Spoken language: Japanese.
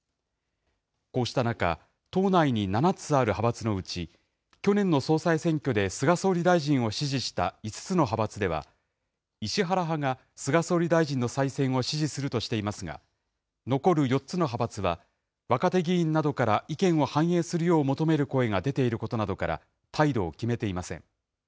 こうした中、党内に７つある派閥のうち、去年の総裁選挙で菅総理大臣を支持した５つの派閥では、石原派が菅総理大臣の再選を支持するとしていますが、残る４つの派閥は若手議員などから意見を反映するよう求める声が出ていることなどから、態度を決めていません。